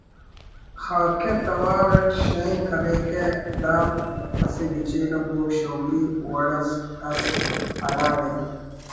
خاکہ توار it Schank کریکہ دا اسہ گچین ءُ بوگ شوگی وڑ اس ئس ہراڑے